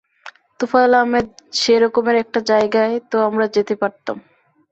তোফায়েল আহমেদ সে রকমের একটা জায়গায় তো আমরা যেতে পারতাম।